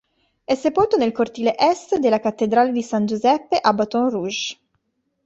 È sepolto nel cortile est della cattedrale di San Giuseppe a Baton Rouge.